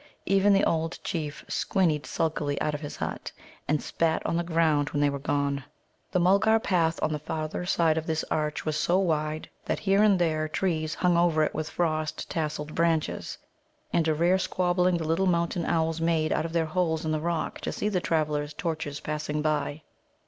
Even the old chief squinnied sulkily out of his hut, and spat on the ground when they were gone. The Mulgar path on the farther side of this arch was so wide that here and there trees hung over it with frost tasselled branches. And a rare squabbling the little Mountain owls made out of their holes in the rock to see the travellers' torches passing by.